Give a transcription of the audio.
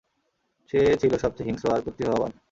সে ছিল সবচেয়ে হিংস্র আর প্রতিভাবান।